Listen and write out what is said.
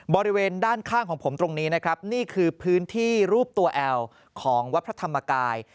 บริเวณด้านข้างของผมตรงนี้นะครับนี่คือพื้นที่รูปตัวแอลของวัดพระธรรมกาย